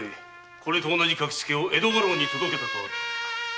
これと同じ書きつけを江戸家老に届けたとある。